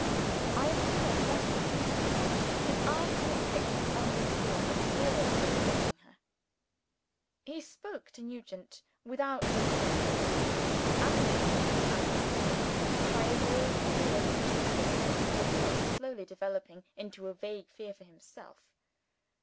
I observed Oscar, next. His eyes were fixed on Lucilla absorbed in watching her. He spoke to Nugent, without looking at him; animated, as it seemed, by a vague fear for Lucilla, which was slowly developing into a vague fear for himself.